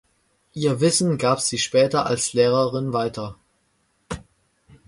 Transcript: Ihr Wissen gab sie später als Lehrerin weiter.